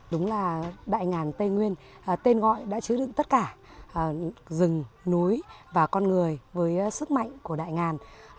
đúng là đại ngàn tây nguyên tên gọi đã chứa đựng tất cả rừng núi và con người với sức mạnh của đại ngàn